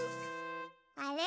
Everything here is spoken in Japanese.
あれ？